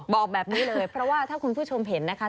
บอกแบบนี้เลยเพราะว่าถ้าคุณผู้ชมเห็นนะคะ